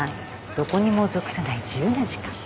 どこにも属さない自由な時間。